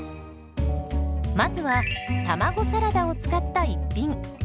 まずは卵サラダを使った一品。